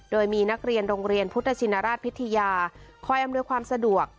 โดยมีนักเรียนโรงเรียนพุทธชินราชพิทยาคอยอำนวยความสะดวก